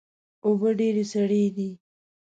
اوبه ډیرې سړې دي